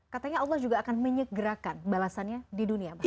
katanya allah juga akan menyegerakan balasannya di dunia